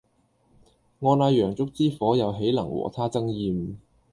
我那洋燭之火又豈能和他爭艷